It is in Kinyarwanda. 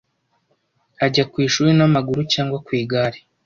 Ajya ku ishuri n'amaguru cyangwa ku igare?